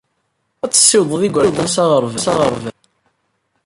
Ad tessiwḍeḍ igerdan s aɣerbaz.